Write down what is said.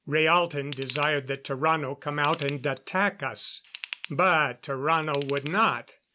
Rhaalton desired that Tarrano come out and attack us; but Tarrano would not.